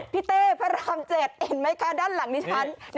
พี่เต้พระรามเจ็ดเห็นไหมคะด้านหลังนี้ฉัน